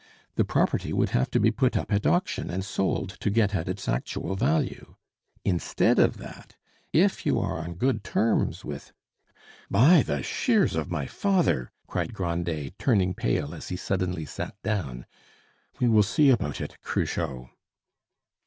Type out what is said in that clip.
The property would have to be put up at auction and sold, to get at its actual value. Instead of that, if you are on good terms with " "By the shears of my father!" cried Grandet, turning pale as he suddenly sat down, "we will see about it, Cruchot."